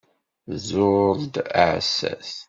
Tẓur-d aɛessas.